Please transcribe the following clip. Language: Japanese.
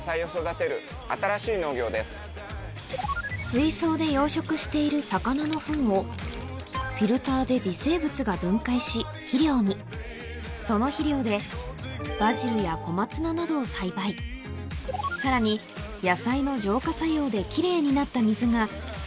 水槽で養殖している魚のフンをフィルターで微生物が分解し肥料にその肥料でバジルや小松菜などを栽培さらにという仕組み